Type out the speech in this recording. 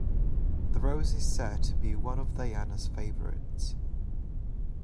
The rose is said to be one of Diana's favourites.